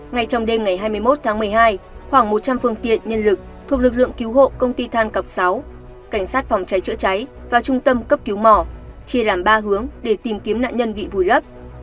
ngay trong đêm ngày hai mươi một tháng một mươi hai khoảng một trăm linh phương tiện nhân lực thuộc lực lượng cứu hộ công ty than cọc sáu cảnh sát phòng cháy chữa cháy và trung tâm cấp cứu mỏ chia làm ba hướng để tìm kiếm nạn nhân bị vùi lấp